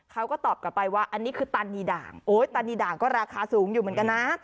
เขาก็ตอบกลับไปว่าอันนี้คือตานีด่างโอ้ยตานีด่างก็ราคาสูงอยู่เหมือนกันนะ